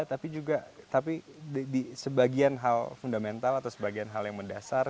tapi juga tapi di sebagian hal fundamental atau sebagian hal yang mendasar